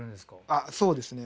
あっそうですね。